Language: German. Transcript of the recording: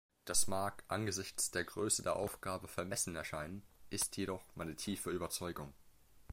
Das mag angesichts der Größe der Aufgabe vermessen erscheinen, ist jedoch meine tiefe Überzeugung.